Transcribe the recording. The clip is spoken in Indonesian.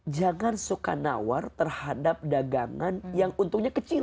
jangan suka nawar terhadap dagangan yang untungnya kecil